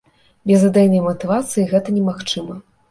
Без ідэйнай матывацыі гэта немагчыма.